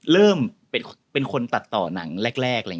เริ่มเป็นคนตัดต่อหนังแรก